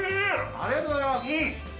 ありがとうございます！